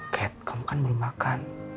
cat kamu kan belum makan